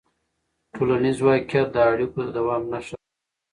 ټولنیز واقیعت د اړیکو د دوام نښه ده.